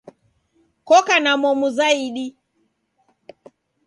Koka na momu zaidi